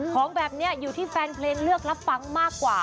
ของแบบนี้อยู่ที่แฟนเพลงเลือกรับฟังมากกว่า